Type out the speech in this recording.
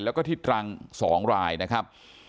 แล้วก็ที่ตรัง๒รายนะครับ